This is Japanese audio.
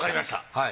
はい。